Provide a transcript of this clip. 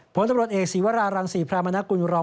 โปรดตำรวจเอกสีวรารังศรีพราณะกุญรองค์